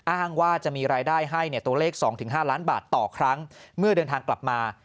อ้างว่าจะมีรายได้ให้ตัวเลข๒๕ล้านบาทต่อครั้งเมื่อเดินทางกลับมา